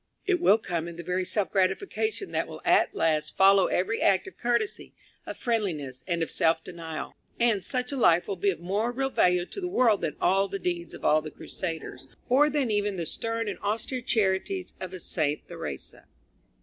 It will come in the very self gratification that will at last follow every act of courtesy, of friendliness, and of self denial, and such a life will be of more real value to the world than all the deeds of all the crusaders, or than even the stern and austere charities of a Saint Theresa.